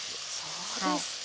そうですか。